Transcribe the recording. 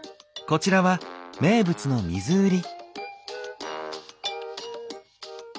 こちらは名物の水売り。